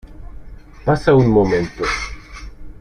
pasa un momento.